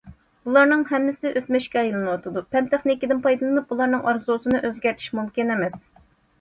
بۇلارنىڭ ھەممىسى ئۆتمۈشكە ئايلىنىۋاتىدۇ، پەن- تېخنىكىدىن پايدىلىنىپ ئۇلارنىڭ ئارزۇسىنى ئۆزگەرتىش مۇمكىن ئەمەس.